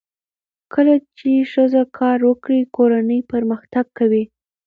کله چې ښځه کار وکړي، کورنۍ پرمختګ کوي.